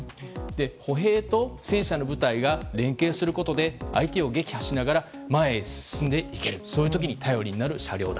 歩兵と戦車の部隊が連携することで相手を撃破しながら前へ進んでいけるそういう時に頼りになる車両だ。